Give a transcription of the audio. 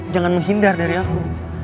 jangan menghindar dari aku